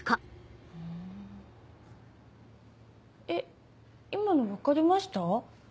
えっ今の分かりました？